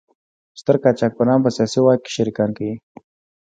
ستر قاچاقبران په سیاسي واک کې شریکان کوي.